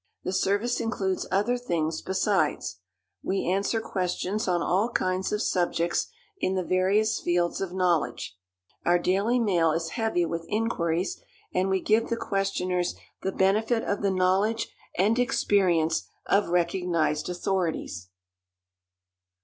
The service includes other things besides. We answer questions on all kinds of subjects in the various fields of knowledge. Our daily mail is heavy with inquiries, and we give the questioners the benefit of the knowledge and experience of recognized authorities.